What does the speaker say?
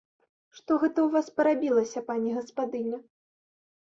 Што гэта ў вас парабілася, пані гаспадыня?